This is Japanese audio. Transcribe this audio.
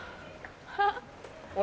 あれ？